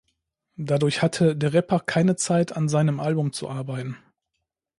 Dadurch hatte der Rapper keine Zeit an seinem Album zu arbeiten.